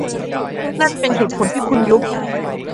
นั่นเป็นเหตุผลที่คุณยุบ